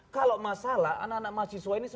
kalau masalah anak anak mahasiswa ini selalu diperbaharui